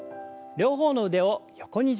両方の腕を横に準備します。